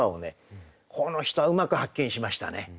この人はうまく発見しましたね。